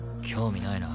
興味ないな。